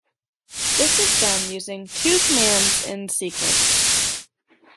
This is done using two commands in sequence.